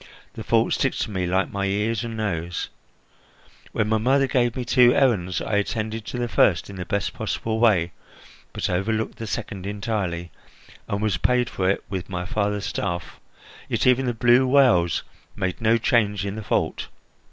The fault sticks to me like my ears and nose. When my mother gave me two errands, I attended to the first in the best possible way, but overlooked the second entirely, and was paid for it with my father's staff, yet even the blue wales made no change in the fault.